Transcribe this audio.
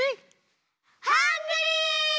ハングリー！